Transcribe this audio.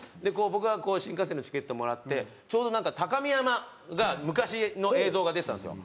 僕はこう新幹線のチケットをもらってちょうどなんか高見山が昔の映像が出てたんですよ。